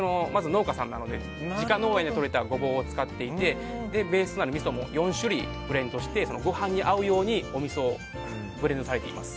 農家さんなので自家農園で採れたごぼうを使っていてベースとなるみそも４種類ブレンドしてご飯に合うようにおみそがブレンドされてます。